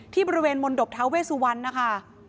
ที่บริเวณมนต์ดบเท้าเวสวันนะคะ